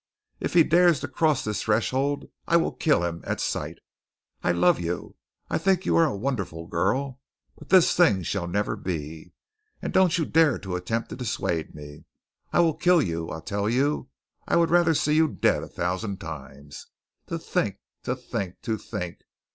If he dares to cross this threshold, I will kill him at sight. I love you. I think you are a wonderful girl, but this thing shall never be. And don't you dare to attempt to dissuade me. I will kill you, I tell you. I would rather see you dead a thousand times. To think! To think! To think!